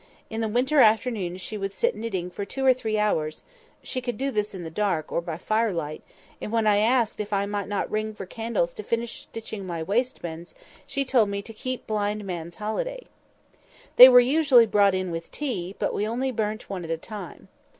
In the winter afternoons she would sit knitting for two or three hours—she could do this in the dark, or by firelight—and when I asked if I might not ring for candles to finish stitching my wristbands, she told me to "keep blind man's holiday." They were usually brought in with tea; but we only burnt one at a time.